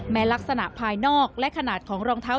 ลักษณะภายนอกและขนาดของรองเท้า